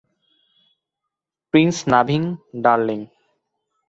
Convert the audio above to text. Prince Navin, darling.